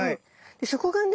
でそこがね